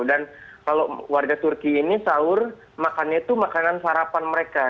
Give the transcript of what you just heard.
dan kalau warga turki ini sahur makannya tuh makanan sarapan mereka